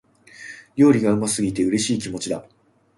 料理がうまくできて、嬉しい気持ちだ。